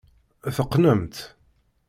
Teqqnemt.